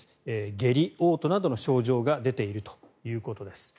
下痢、おう吐などの症状が出ているということです。